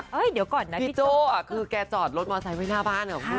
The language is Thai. พี่โจ๊ะคือแกจอดรถมอเตอร์ไซค์ไว้หน้าบ้าน